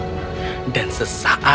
dan sesaat itu jorindel tidak bisa berbicara